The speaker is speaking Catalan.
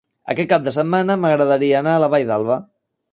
Aquest cap de setmana m'agradaria anar a la Vall d'Alba.